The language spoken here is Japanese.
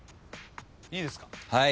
いいですか？